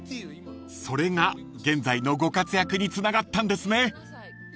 ［それが現在のご活躍につながったんですね］